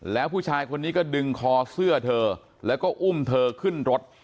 แล้วผู้ชายคนนี้ก็ดึงคอเสื้อเธอแล้วก็อุ้มเธอขึ้นรถ